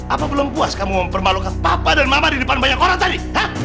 apa belum puas kamu mempermalukan papa dan mama di depan banyak orang tadi